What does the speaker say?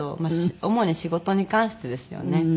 主に仕事に関してですよね。